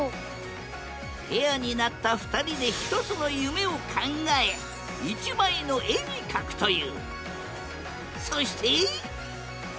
ペアになった２人で１つの夢を考え１枚の絵に描くという。